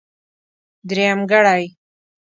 درېمګړی.